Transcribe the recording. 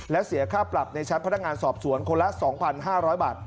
และเสียค่าปรับในชั้นพนักงานสอบสวนคนละ๒๕๐๐บาท